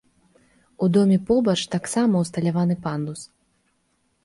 У доме побач таксама ўсталяваны пандус.